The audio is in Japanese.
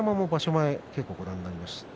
前稽古をご覧になりましたか？